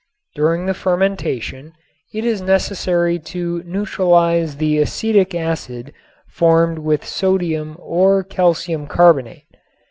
During the fermentation it is necessary to neutralize the acetic acid formed with sodium or calcium carbonate.